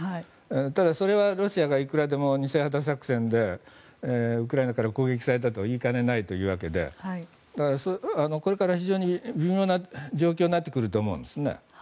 ただ、それはロシアがいくらでも偽旗作戦でウクライナから攻撃されたと言いかねないというわけでこれから非常に微妙な状況になってくると思いますね。